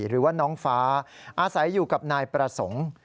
หรือว่าน้องฟ้าอาศัยอยู่กับนายประสงค์